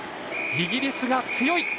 イギリスが強い。